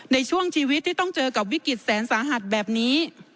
ในช่วงชีวิตที่ต้องเจอกับวิกฤตแสนสาหัสแบบนี้